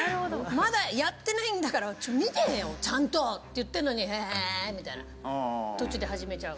まだやってないんだから見てよちゃんと！って言ってんのにへへみたいな。